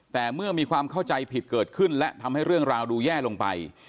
แต่เมื่อมีความเข้าใจผิดเกิดขึ้นและทำให้เรื่องราวดูแย่ลงไป